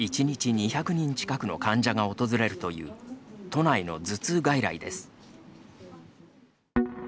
１日２００人近くの患者が訪れるという都内の頭痛外来です。